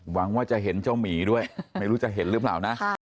หวังว่าจะเห็นเจ้าหมีด้วยไม่รู้จะเห็นหรือเปล่านะ